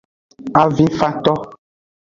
Avinfanto.